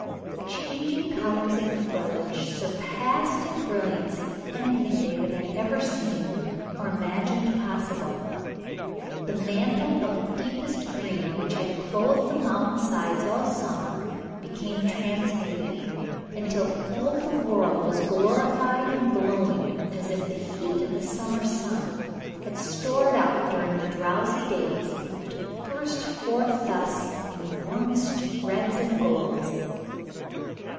The changing colors of the foliage surpassed in brilliancy anything David had ever seen or imagined possible. The mantle of deepest green which had clothed the mountain sides all summer, became trans muted, until all the world was glorified and glowing as if the heat of the summer sun had been stored up during the drowsy days to burst forth thus in warmest reds and golds.